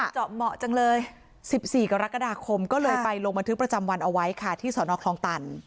เจาะเหมาะจังเลย๑๔กรกฎาคมก็เลยไปลงบันทึกประจำวันเอาไว้ค่ะที่สนคลองตัน